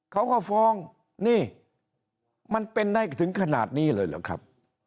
เขาก็ฟ้องนี่มันเป็นได้ถึงขนาดนี้เลยเหรอครับ